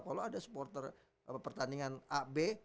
kalau ada supporter pertandingan a b